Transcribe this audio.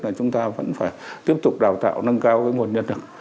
là chúng ta vẫn phải tiếp tục đào tạo nâng cao cái nguồn nhân lực